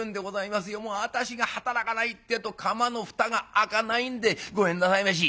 もう私が働かないってえと釜の蓋が開かないんでごめんなさいまし」。